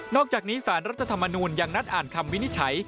อกจากนี้สารรัฐธรรมนูลยังนัดอ่านคำวินิจฉัย